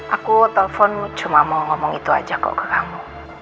aku telpon cuma mau ngomong itu aja kok ke kamu